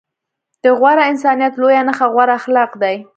د غوره انسانيت لويه نښه غوره اخلاق دي.